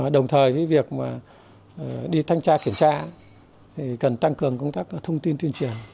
đồng thời với việc đi thanh tra kiểm tra thì cần tăng cường công tác thông tin tuyên truyền